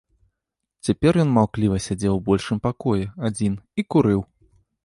Цяпер ён маўкліва сядзеў у большым пакоі, адзін, і курыў.